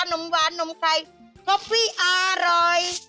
นมหวานนมไข่คอฟฟี่อร่อย